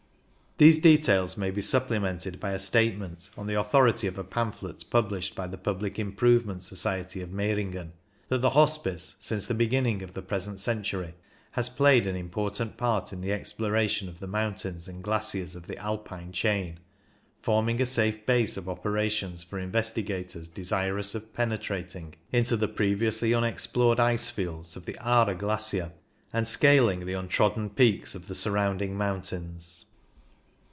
These details may be supplemented by a statement, on the authority of a pamphlet published by the Public Improvements 3ociety of Meiringen, that the Hospice, since the beginning of the present century, *• has played an important part in the ex ploration of the mountains and glaciers of the Alpine chain, forming a safe base of operations for investigators desirous of penetrating into the previously unexplored ice fields of the A are Glacier, and scaling the untrodden peaks of the surrounding mountains.